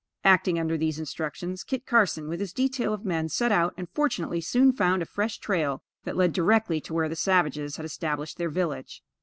Acting under these instructions, Kit Carson, with his detail of men, set out, and fortunately soon found a fresh trail that led directly to where the savages had established their village.